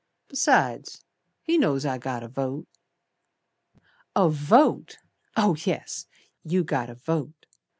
Besides, he knows I got a vote." "A vote! Oh, yes, you got a vote!